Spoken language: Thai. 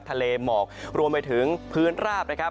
ทะเลหมอกรวมไปถึงพื้นราบนะครับ